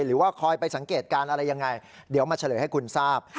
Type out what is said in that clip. หรือว่าคอยไปสังเกตการณ์อะไรยังไงเดี๋ยวมาเฉลยให้คุณทราบ